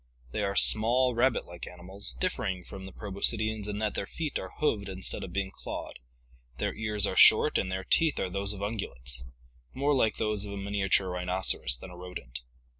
They are small, rabbit like animals, differing from the proboscideans in that their feet are hoofed instead of being clawed; their ears are short and their teeth are those of ungulates — more like those of a miniature rhinoceros than a rodent.